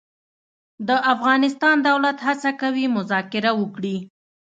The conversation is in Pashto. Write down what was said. د افغانستان دولت هڅه کوي مذاکره وکړي.